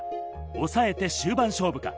抑えて終盤勝負か。